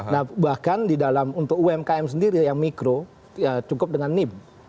nah bahkan di dalam untuk umkm sendiri yang mikro ya cukup dengan nip